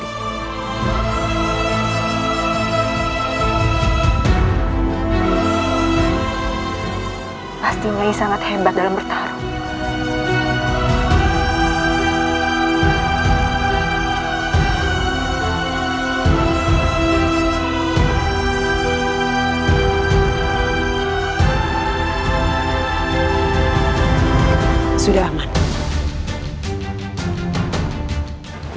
istri dari gusti prabu zirwan